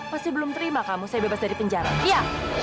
pasti belum terima kamu saya bebas dari penjara ya